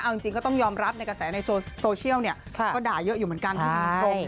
เอาจริงก็ต้องยอมรับในกระแสในโซเชียลเนี่ยก็ด่าเยอะอยู่เหมือนกันคุณผู้ชม